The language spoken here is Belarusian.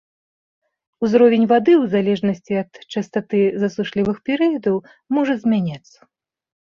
Узровень вады ў залежнасці ад частаты засушлівых перыядаў можа змяняцца.